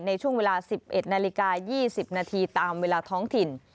ในช่วงเวลาสิบเอ็ดนาฬิกายี่สิบนาทีตามเวลาท้องถิ่น